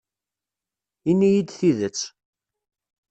Ini-yi-d tidet.